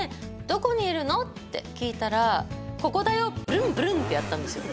どこにいるの？」って聞いたら「ここだよ」ブルンブルンってやったんですよ